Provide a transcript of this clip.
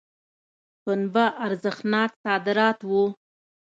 پنبه ارزښتناک صادرات وو.